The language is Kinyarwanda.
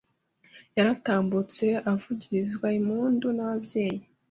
Yaratambutse avugirizwa impundu n’ababyeyi,